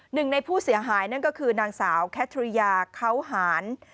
หนึ่งในผู้เสียหายนั่นก็คือนางสาวแคทริยาเขาหาร